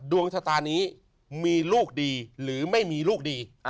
ดวงชะตานี้มีลูกดีหรือไม่มีลูกดี